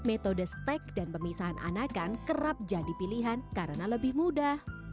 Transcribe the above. metode stek dan pemisahan anakan kerap jadi pilihan karena lebih mudah